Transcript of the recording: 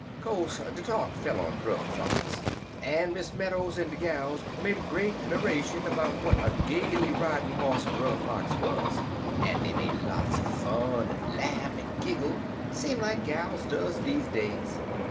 "Co'se de talk fell on Brer Fox, en Miss Meadows en de gals make a great 'miration 'bout w'at a gaily ridin' hoss Brer Fox wuz, en dey make lots er fun, en laugh en giggle same like gals duz deze days.